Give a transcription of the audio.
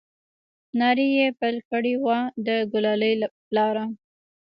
نارې يې پيل كړې وه د ګلالي پلاره!